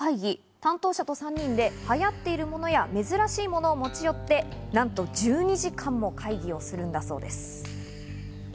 担当者と３人で流行っているものや珍しいものを持ち寄って、なんと１２時間も会議をするんだそうです。